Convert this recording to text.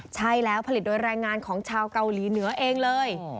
ใช่แล้วผลิตโดยแรงงานของชาวเกาหลีเหนือเองเลย